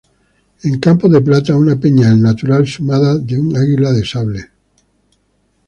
En campo de plata una peña del natural sumada de un águila de sable.